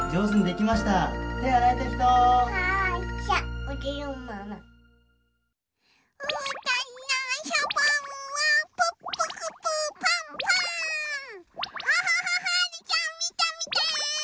キャハハはるちゃんみてみて！